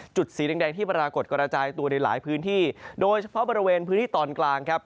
สีแดงที่ปรากฏกระจายตัวในหลายพื้นที่โดยเฉพาะบริเวณพื้นที่ตอนกลางครับ